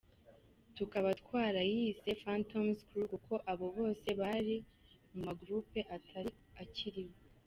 Tukaba twarayise Phantoms Crew kuko abo bose bari muma groupes atari akiriho.